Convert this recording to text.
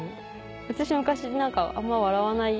私昔何かあんま笑わない